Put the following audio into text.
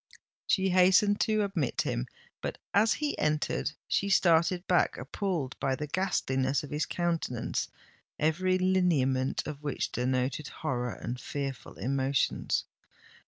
She hastened to admit him;—but, as he entered, she started back, appalled by the ghastliness of his countenance, every lineament of which denoted horror and fearful emotions.